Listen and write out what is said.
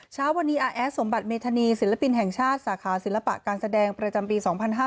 เช้าวันนี้อาแอดสมบัติเมธานีศิลปินแห่งชาติสาขาศิลปะการแสดงประจำปี๒๕๕๙